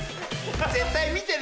絶対見てね。